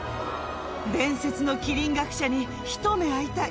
伝説のキリン学者に一目会いたい。